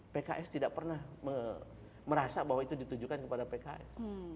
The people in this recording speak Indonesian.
pks tidak pernah merasa bahwa itu ditujukan kepada pks